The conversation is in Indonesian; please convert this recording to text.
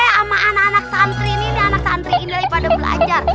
saya sama anak anak santri nih anak santri ini daripada belajar